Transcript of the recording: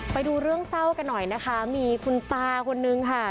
ไปดูเรื่องเศร้ากันหน่อยนะคะมีคุณตาคนนึงค่ะ